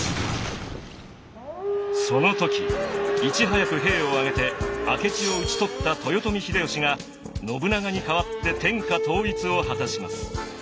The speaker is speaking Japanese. その時いち早く兵を挙げて明智を討ち取った豊臣秀吉が信長に代わって天下統一を果たします。